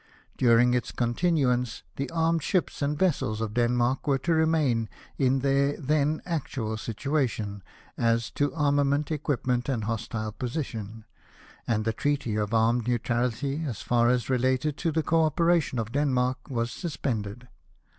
During its continuance the armed ships and vessels of Denmark were to remain in their then actual situation, as to armament, equipment, and hostile position ; and the treaty of armed neutrahty, as far as related to the co operation of Denmark, was suspended.